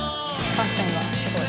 ファッションがすごい。